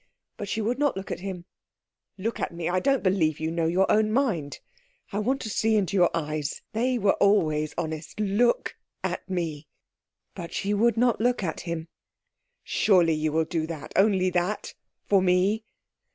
But she would not look at him. "Look at me. I don't believe you know your own mind. I want to see into your eyes. They were always honest look at me." But she would not look at him. "Surely you will do that only that for me."